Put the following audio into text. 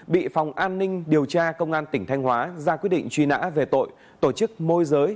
bị phòng an ninh điều tra công an tỉnh thanh hóa ra quyết định truy nã về tội tổ chức môi giới